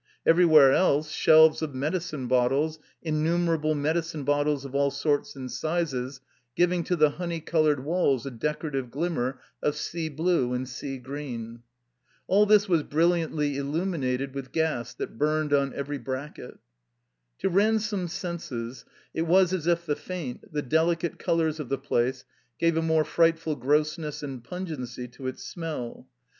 Every where else shelves of medicine bottles, innumerable medicine bottles of all sorts and sizes, giving to the honey colored walls a decorative glimmer of sea blue and sea green. All this was brilliantly illuminated with gas that burned on every bracket. To Ransome's senses it was as if the faint, the deli cate colors of the place gave a more frightftd gross ness and pungency to its smell.